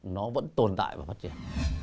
nó vẫn tồn tại và phát triển